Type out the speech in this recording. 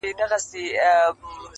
• خو اوس دي گراني دا درسونه سخت كړل.